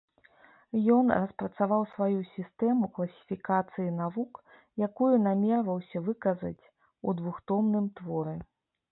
Ён распрацаваў сваю сістэму класіфікацыі навук, якую намерваўся выказаць у двухтомным творы.